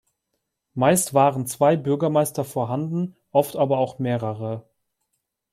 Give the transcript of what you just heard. Meist waren zwei Bürgermeister vorhanden, oft aber auch mehrere.